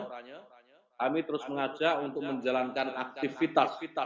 kami terus mengajak untuk menjalankan aktivitas kita